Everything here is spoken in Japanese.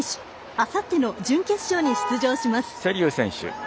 あさっての準決勝に出場します。